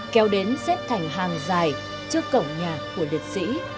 kéo đến xếp thành hàng dài trước cổng nhà của liệt sĩ